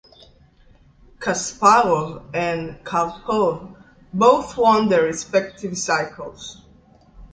Kasparov and Karpov both won their respective cycles.